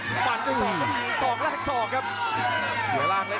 เขียนร่างเล็กน้อยครับดังงี